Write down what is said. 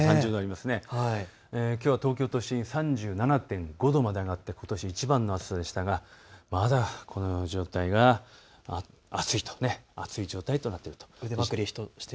きょうは東京都心、３７．５度まで上がってことしいちばんの暑さでしたがまだこの状態が暑い状態となっていると。